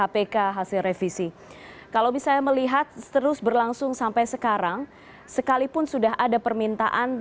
bersama bapak bapak sekalian